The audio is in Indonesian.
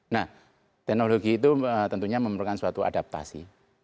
nah teknologi itu tentunya memerlukan suatu adaptasi